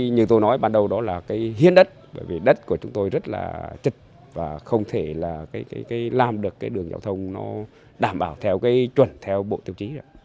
như tôi nói ban đầu đó là hiên đất bởi vì đất của chúng tôi rất là trịch và không thể làm được đường giao thông đảm bảo theo chuẩn theo bộ tiêu chí